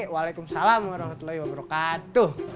waalaikumsalam warahmatullahi wabarakatuh